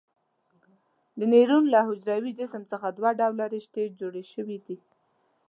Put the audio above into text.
د نیورون له حجروي جسم څخه دوه ډوله رشتې جوړې شوي دي.